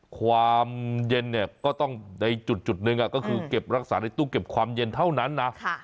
ความเย็นเนี่ยก็ต้องในจุดหนึ่งก็คือเก็บรักษาในตู้เก็บความเย็นเท่านั้นนะ